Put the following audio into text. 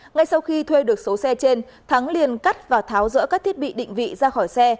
ngay sau khi thuê được số xe trên thắng liền cắt và tháo rỡ các thiết bị định vị ra khỏi xe